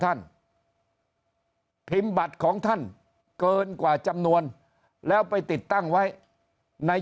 ท่านพิมพ์บัตรของท่านเกินกว่าจำนวนแล้วไปติดตั้งไว้ใน